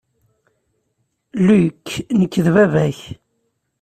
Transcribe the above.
Luke, nekk d baba-k.